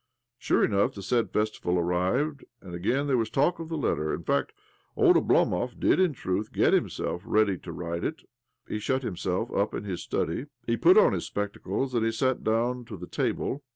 Sure enough, the said festival arrived, and again there was talk of the letter. In fact, old Oblomov did in truth get himself ready, to write it . He shut himself up in his study, he piut on his spectacles, and he sat down to the table.